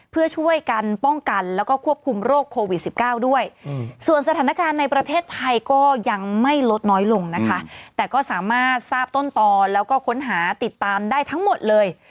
เพื่อช่วยกันป้องกันแล้วก็ควบคุมโรคโควิด๑๙ด้วยส่วนสถานการณ์ในประเทศไทยก็ยังไม่ลดน้อยลงนะคะแต่ก็สามารถทราบต้นต่อแล้วก็ค้นหาติดตามได้ทั้งหมดเลย